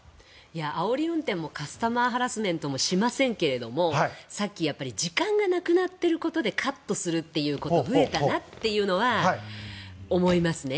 あおり運転もカスタマーハラスメントもしませんけれどもさっき時間がなくなってることでカッとするということが増えたなというのは思いますね。